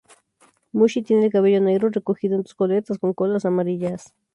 Mushi tiene el cabello negro recogido en dos coletas con colas amarillas.